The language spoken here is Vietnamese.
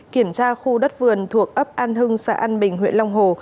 kiểm tra khu đất vườn thuộc ấp an hưng xã an bình huyện long hồ